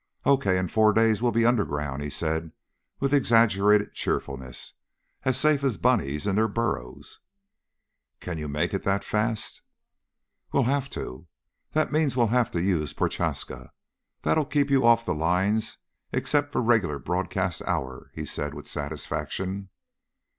"Okay, in four days we'll be underground," he said with exaggerated cheerfulness, "as safe as bunnies in their burrows." "Can you make it that fast?" "We'll have to. That means well have to use Prochaska. That'll keep you off the lines except for the regular broadcast hour," he said with satisfaction.